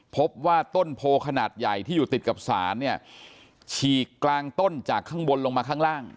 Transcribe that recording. พบว่าต้นโพขนาดใหญ่ที่อยู่ติดกับศาลเนี่ยฉีกกลางต้นจากข้างบนลงมาข้างล่าง